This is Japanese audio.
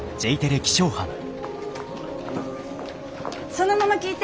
そのまま聞いて。